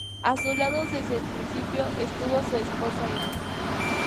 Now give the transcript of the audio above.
A su lado, desde el principio estuvo su esposa Eva.